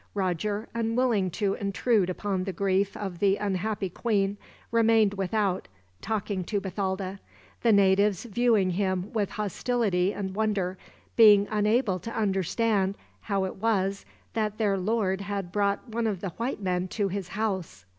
Roger, unwilling to intrude upon the grief of the unhappy queen, remained without, talking to Bathalda; the natives viewing him with hostility and wonder, being unable to understand how it was that their lord had brought one of the white men to his house.